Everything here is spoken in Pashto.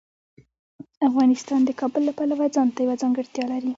افغانستان د کابل له پلوه ځانته یوه ځانګړتیا لري.